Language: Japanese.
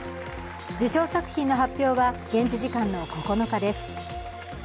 受賞作品の発表は現地時間の９日です。